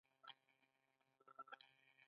که اوبه نه وي ژوند سخت دي